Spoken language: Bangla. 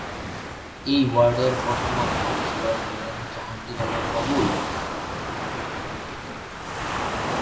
এ ওয়ার্ডের বর্তমান কাউন্সিলর হলেন জাহাঙ্গীর আলম বাবুল।